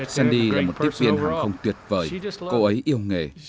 sandy là một tiếp viên hàng không tuyệt vời cô ấy yêu nghề